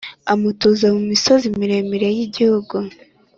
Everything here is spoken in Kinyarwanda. amutuza mu misozi miremire y’igihugu,